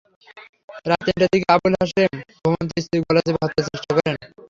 রাত তিনটার দিকে আবুল হাসেম ঘুমন্ত স্ত্রীর গলা চেপে হত্যার চেষ্টা করেন।